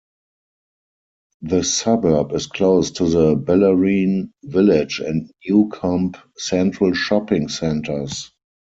The suburb is close to the Bellarine Village and Newcomb Central shopping centres.